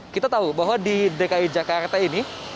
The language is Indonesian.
kita tahu bahwa di dki jakarta ini